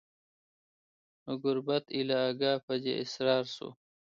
نو ګوربت ایله آګاه په دې اسرار سو